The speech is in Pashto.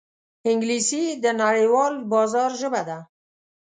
انګلیسي د نړیوال بازار ژبه ده